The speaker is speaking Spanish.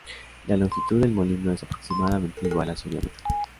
La longitud del molino es aproximadamente igual a su diámetro.